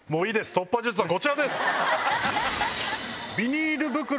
突破術はこちらです！